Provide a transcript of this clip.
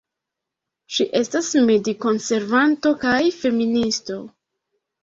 Ŝi estas medikonservanto kaj feministo.